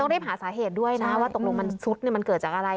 รีบหาสาเหตุด้วยนะว่าตกลงมันซุดมันเกิดจากอะไร